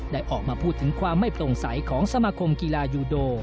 ออกมาพูดถึงความไม่โปร่งใสของสมาคมกีฬายูโด